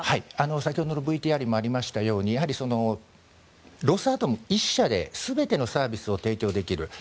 先ほどのＶＴＲにもありましたようにロスアトム１社で全てのサービスを提供できる。